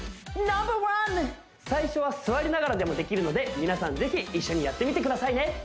最初は座りながらでもできるので皆さんぜひ一緒にやってみてくださいね